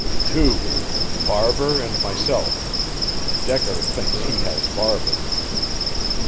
"Two Barber and myself. Decker thinks he has Barber."